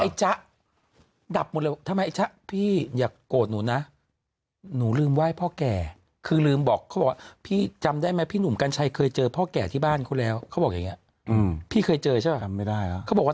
จ๊ะดับหมดเลยว่าทำไมไอ้จ๊ะพี่อย่าโกรธหนูนะหนูลืมไหว้พ่อแก่คือลืมบอกเขาบอกว่าพี่จำได้ไหมพี่หนุ่มกัญชัยเคยเจอพ่อแก่ที่บ้านเขาแล้วเขาบอกอย่างนี้พี่เคยเจอใช่ป่ะจำไม่ได้เขาบอกว่า